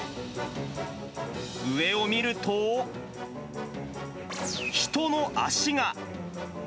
上を見ると、人の足が。